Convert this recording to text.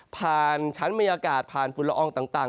ผ่านชั้นบรรยากาศผ่านฝุ่นละอองต่าง